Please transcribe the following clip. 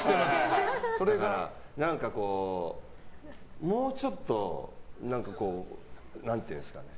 それが何かもうちょっと何ていうんですかね。